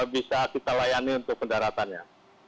bisa kita layani untuk pendaratannya